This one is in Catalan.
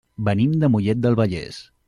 Venim de Mollet del Vallès.